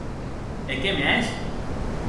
E qué mès?